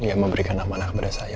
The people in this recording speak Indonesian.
yang memberikan amanah kepada saya